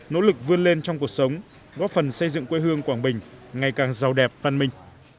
nỗ lực vươn lên trong cuộc sống góp phần xây dựng quê hương quảng bình ngày càng giàu đẹp văn minh